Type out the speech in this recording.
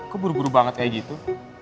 kok buru buru banget kayak gitu